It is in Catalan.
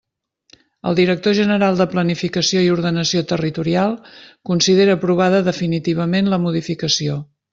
El director general de Planificació i Ordenació Territorial considera aprovada definitivament la modificació.